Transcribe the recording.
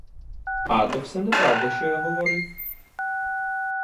А то все неправда, що я говорив!